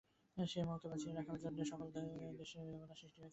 সেই মোহকে বাঁচিয়ে রাখবার জন্যেই সকল দেশে দেবতার সৃষ্টি হয়েছে, মানুষ আপনাকে চেনে।